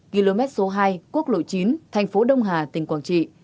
km số hai quốc lộ chín thành phố đông hà tỉnh quảng trị